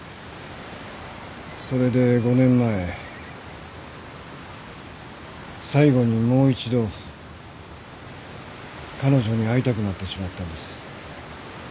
それで５年前最後にもう一度彼女に会いたくなってしまったんです。